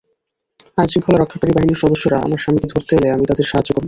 আইনশৃঙ্খলা রক্ষাকারী বাহিনীর সদস্যরা আমার স্বামীকে ধরতে এলে আমি তাঁদের সাহায্য করব।